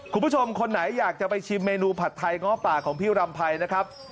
คุณผู้ชมคนไหนอยากจะไปชิมเมนูผัดไทยง้อป่าของพี่รำไพรนะครับ